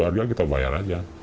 barangnya kita bayar aja